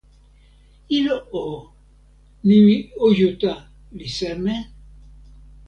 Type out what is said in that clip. ilo o, nimi Ojuta li seme?